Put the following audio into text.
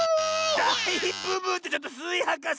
だいブブーってちょっとスイはかせ！